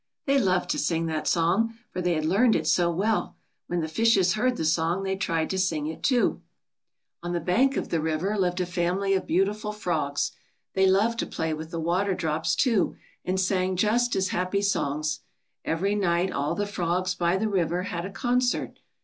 They loved to sing that song, for they had learned it so well. When the fishes heard the song they tried to sing it, too. 80 THE SONG THEY ALL SANG. On the bank of the river lived a family of beautiful frogs. They loved to play with the water drops, too^ and sang just as happy songs. Every night all the frogs by the river had a concert.